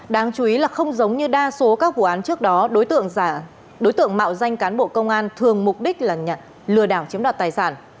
đáng chú ý là không giống như đa số các vụ án trước đó đối tượng đối tượng mạo danh cán bộ công an thường mục đích là lừa đảo chiếm đoạt tài sản